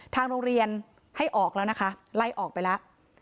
ทางโรงเรียนให้ออกแล้วนะคะไล่ออกไปแล้ว